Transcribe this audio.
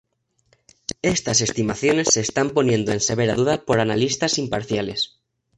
Estas estimaciones se están poniendo en severa duda por analistas imparciales.